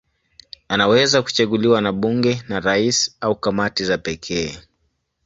Anaweza kuchaguliwa na bunge, na rais au kamati za pekee.